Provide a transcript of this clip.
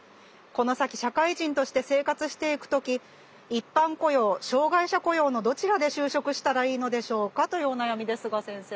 この先社会人として生活していく時一般雇用障害者雇用のどちらで就職したらいいのでしょうか？」というお悩みですが先生。